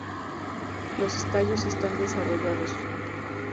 Los tallos están desarrollados.